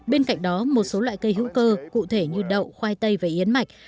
bên cạnh đó một số loại cây hữu cơ cụ thể như đậu khoai tây và yến mạch